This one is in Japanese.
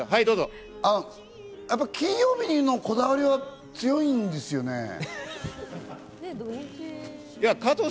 やっぱり金曜日のこだわりは強いんですよね？